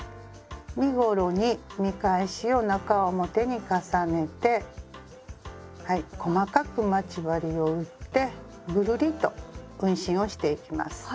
身ごろに見返しを中表に重ねてはい細かく待ち針を打ってぐるりと運針をしていきます。